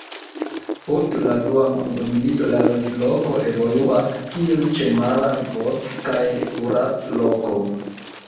Post la Dua mondmilito la loĝloko evoluas kiel ĉemara ripoz- kaj kurac-loko.